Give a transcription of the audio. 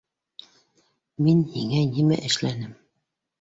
— Мин һиңә нимә эшләнем?